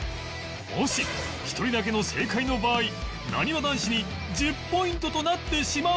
もし１人だけの正解の場合なにわ男子に１０ポイントとなってしまうが